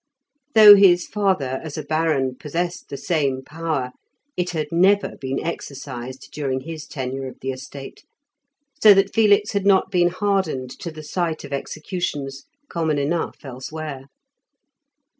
Though his father, as a baron, possessed the same power, it had never been exercised during his tenure of the estate, so that Felix had not been hardened to the sight of executions, common enough elsewhere.